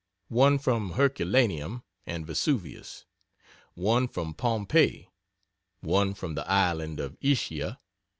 1 from Herculaneum and Vesuvius. 1 from Pompeii. 1 from the Island of Ischia.